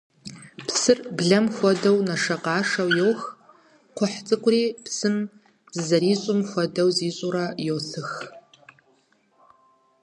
Псыр, блэм хуэдэу, нэшэкъашэу йох, кхъухь цӀыкӀури, псым зэрызищӀым хуэдэу зищӀурэ, йосых.